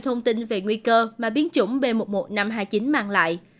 thông tin về nguy cơ mà biến chủng b một một năm trăm hai mươi chín mang lại